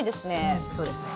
うんそうですね。